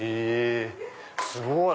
すごい！